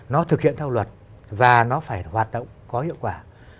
nó thực hiện theo luật và nó phải hoạt động có hiệu quả